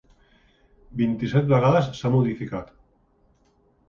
Vint-i-set vegades s’ha modificat.